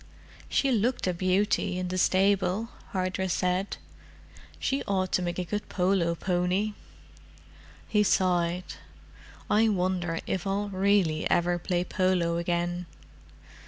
"She looked a beauty, in the stable," Hardress said. "She ought to make a good polo pony." He sighed. "I wonder if I'll really ever play polo again."